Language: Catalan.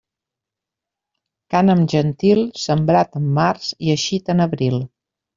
Cànem gentil, sembrat en març i eixit en abril.